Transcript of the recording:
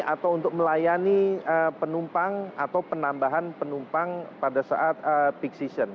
atau untuk melayani penumpang atau penambahan penumpang pada saat peak season